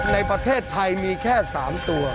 ในประเทศไทยมีแค่๓ตัว